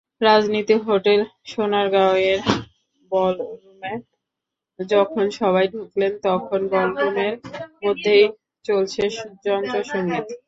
রাজধানীর হোটেল সোনারগাঁওয়ের বলরুমে যখন সবাই ঢুকলেন, তখন বলরুমের মধ্যেই চলছে যন্ত্রসংগীত।